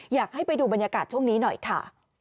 อยากให้ไปดูบรรยากาศช่วงนี้หน่อยค่ะ